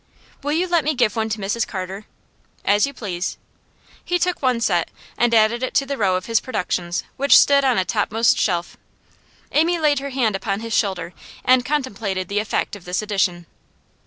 'Will you let me give one to Mrs Carter?' 'As you please.' He took one set and added it to the row of his productions which stood on a topmost shelf Amy laid her hand upon his shoulder and contemplated the effect of this addition.